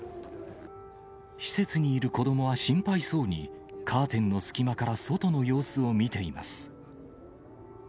施設にいる子どもは心配そうに、カーテンの隙間から外の様子を見ています。